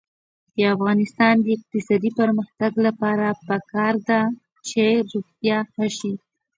د افغانستان د اقتصادي پرمختګ لپاره پکار ده چې روغتیا ښه شي.